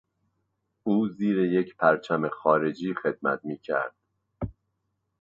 او زیر یک پرچم خارجی خدمت میکرد.